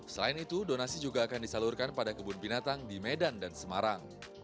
selain itu donasi juga akan disalurkan pada kebun binatang di medan dan semarang